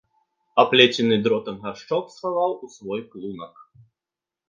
Аплецены дротам гаршчок схаваў у свой клунак.